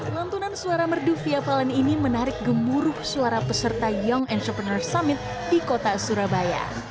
lantunan suara merdu via valen ini menarik gemuruh suara peserta young entrepreneur summit di kota surabaya